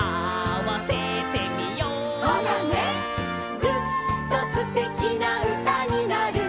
「ぐっとすてきな歌になる」